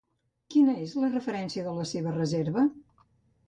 Quina és la referència de la seva reserva?